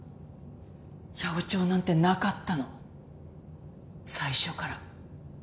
八百長なんてなかったの最初から。